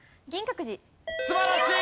素晴らしい！